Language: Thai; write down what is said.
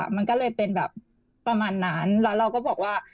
มันก็เลยเป็นแบบประมาณนั้นแล้วเราก็บอกว่า